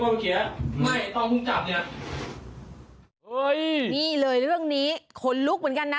ต้องคุณจับเนี่ยเอ้ยนี่เลยเรื่องนี้คนลุกเหมือนกันนะ